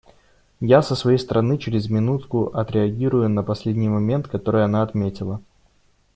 Я, со своей стороны, через минутку отреагирую на последний момент, который она отметила.